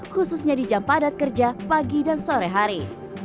khususnya di jam padat kerja pagi dan sore hari